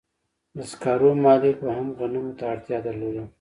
د سکارو مالک به هم غنمو ته اړتیا درلوده